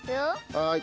はい。